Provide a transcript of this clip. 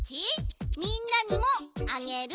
みんなにもあげる？